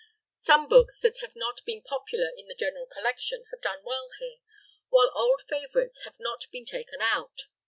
Some books that have not been popular in the general collection have done well here, while old favorites have not been taken out.